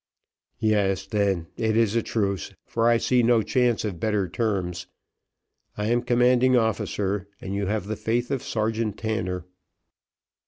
"Yes, then, it is a truce, for I see no chance of better terms. I am commanding officer, and you have the faith of Sergeant Tanner."